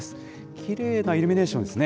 きれいなイルミネーションですね。